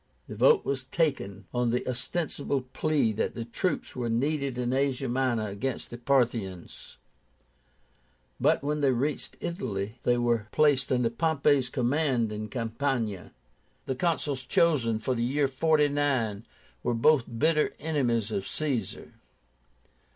The vote was taken on the ostensible plea that the troops were needed in Asia Minor against the Parthians; but when they reached Italy they were placed under Pompey's command in Campania. The Consuls chosen for the year 49 were both bitter enemies of Caesar.